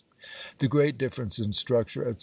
The great difference in structure, etc.